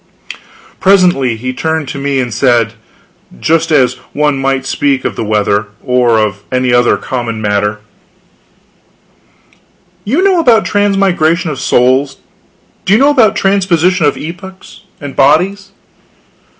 Presently he turned to me and said, just as one might speak of the weather, or any other common matter "You know about transmigration of souls; do you know about transposition of epochs and bodies?"